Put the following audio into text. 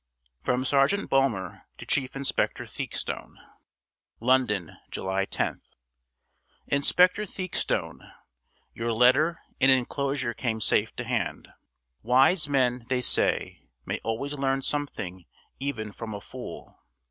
FROM SERGEANT BULMER TO CHIEF INSPECTOR THEAKSTONE. London, July 10th. INSPECTOR THEAKSTONE Your letter and inclosure came safe to hand. Wise men, they say, may always learn something even from a fool.